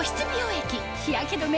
液日焼け止め